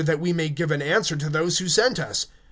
that we may give an answer to those who sent us.